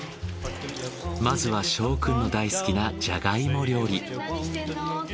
まずは翔くんの大好きなジャガイモ料理。